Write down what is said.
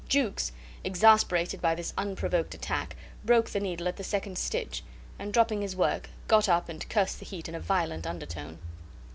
Jukes, exasperated by this unprovoked attack, broke the needle at the second stitch, and dropping his work got up and cursed the heat in a violent undertone.